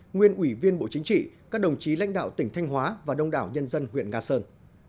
nguyên ủy viên bộ chính trị các đồng chí lãnh đạo tỉnh thanh hóa và đông đảo nhân dân huyện nga sơn